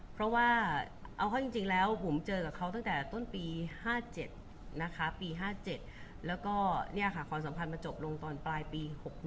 เพราะว่าเอาเข้าจริงแล้วผมเจอกับเขาตั้งแต่ต้นปี๕๗นะคะปี๕๗แล้วก็เนี่ยค่ะความสัมพันธ์มันจบลงตอนปลายปี๖๖